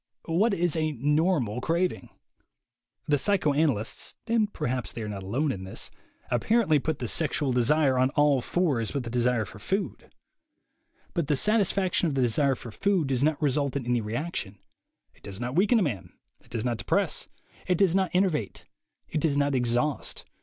What is a "normal" craving? The psy choanalysts (and perhaps they are not alone in this) apparently put the sexual desire on all fours with the desire for food. But the satisfaction of 100 THE WAY TO WILL POWER the desire for food does not result in any reaction. It does not weaken a man. It does not depress. It does not enervate. It does not exhaust.